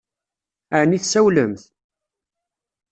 Ɛni tsawlemt?